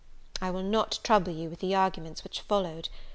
I will not trouble you with the arguments which followed.